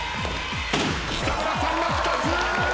北村さんが２つ！